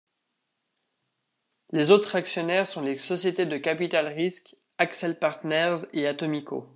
Les autres actionnaires sont les sociétés de capital-risque Accel Partners et Atomico.